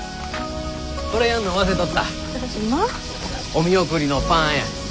お見送りのパンや。